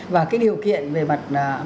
và cái điều kiện về mặt